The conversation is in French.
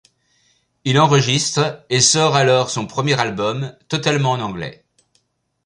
Il enregistre et sort alors son premier album totalement en anglais, '.